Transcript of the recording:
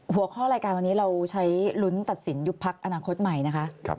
หัวข้อรายการวันนี้เราใช้ลุ้นตัดสินยุบพักอนาคตใหม่นะคะ